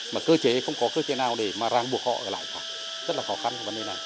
mà cơ chế không có cơ chế nào để mà ràng buộc họ lại rất là khó khăn về vấn đề này